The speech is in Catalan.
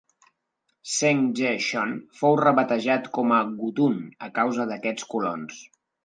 Seng Ge Gshong fou rebatejat com a Wutun a causa d'aquests colons.